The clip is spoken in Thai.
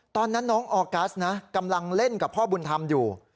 ตอนนั้นน้องออกัสนะกำลังเล่นกับพ่อบุญธรรมอยู่